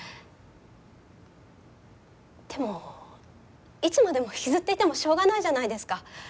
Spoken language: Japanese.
でもいつまでも引きずっていてもしょうがないじゃないですか。